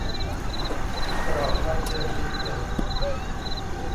กรอกวันเดือนปีเกิด